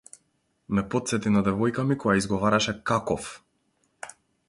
Ме потсети на девојка ми која изговараше какоф.